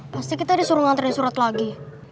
pasti kita disuruh nganterin surat lagi